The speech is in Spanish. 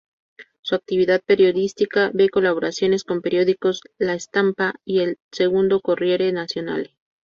Su actividad periodística ve colaboraciones con periódicos "La Stampa" y "Il Corriere Nazionale".